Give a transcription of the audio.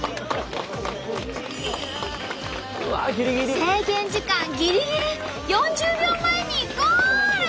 制限時間ギリギリ４０秒前にゴール！